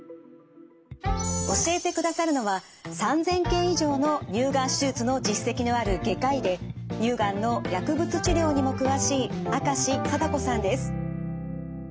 教えてくださるのは３，０００件以上の乳がん手術の実績のある外科医で乳がんの薬物治療にも詳しい明石定子さんです。